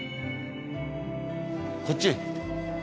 こっち？